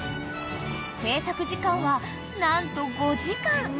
［製作時間は何と５時間］